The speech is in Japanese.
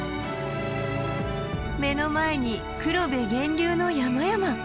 目の前に黒部源流の山々！